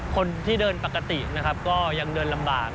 คนที่เดินปกติก็ยังเดินลำบาก